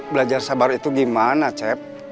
belajar sabar itu gimana cep